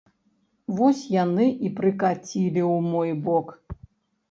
Вось яны і прыкацілі ў мой бок.